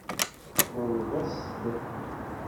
Ḍleb-as-t.